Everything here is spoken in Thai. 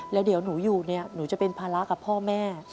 แล้วเดี๋ยวหนูอยู่เนี่ยหนูจะเป็นภาระกับพ่อแม่